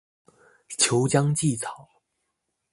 俅江芰草